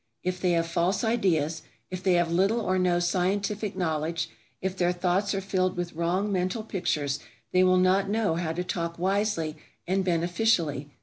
If they have false ideas, if they have little or no scientific knowledge, if their thoughts are filled with wrong mental pictures, they will not know how to talk wisely and beneficially.